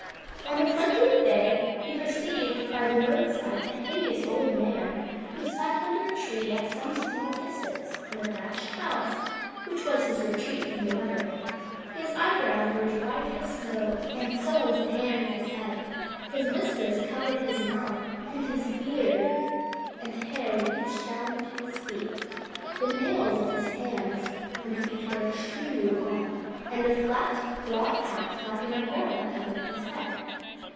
On the twentieth day he perceived by the roadside a hideous old man, who sat under a tree at some small distance from a thatched house, which was his retreat from the weather. His eyebrows were white as snow, and so was the hair of his head; his whiskers covered his mouth, and his beard and hair reached down to his feet. The nails of his hands and feet were extremely long, and a flat broad hat, like an umbrella, covered his head.